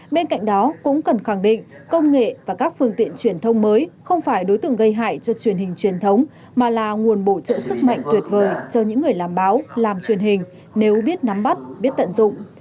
bên cạnh đó cũng cần khẳng định công nghệ và các phương tiện truyền thông mới không phải đối tượng gây hại cho truyền hình truyền thống mà là nguồn bổ trợ sức mạnh tuyệt vời cho những người làm báo làm truyền hình nếu biết nắm bắt biết tận dụng